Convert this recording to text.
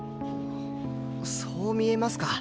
そう見えますか？